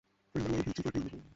Please আমার বিচি ফাটিও না, বোন।